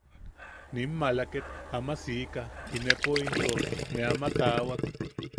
Nim maala ket ama sika, inepo into ne ama taawak.